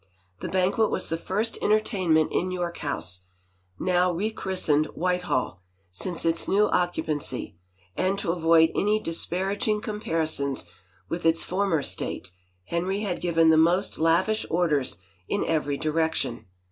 The banquet was the first entertainment in York House, now rechristened Whitehall, since its new occu pancy and to avoid any disparaging comparisons with its former state Henry had given the most lavish orders in every direction.